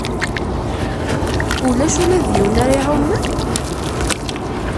Ulac ula d yiwen ara iɛummen?